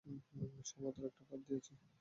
সবেমাত্র একটা পাদ দিয়েছি।